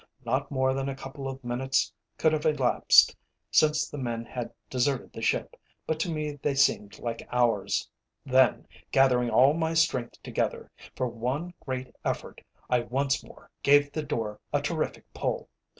Not more than a couple of minutes could have elapsed since the men had deserted the ship, but to me they seemed like hours. Then, gathering all my strength together, for one great effort, I once more gave the door a terrific pull.